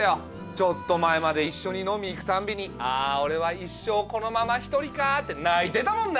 ちょっと前まで一緒に飲み行くたんびに「あ俺は一生このまま独りかぁ」って泣いてたもんな。